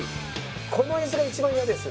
この椅子が一番嫌です。